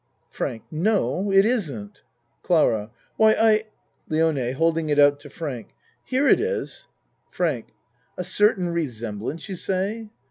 FRANK No, it isn't. CLARA Why, I LIONE (Holding it out to Frank.) Here it is. FRANK A certain resemblance you say?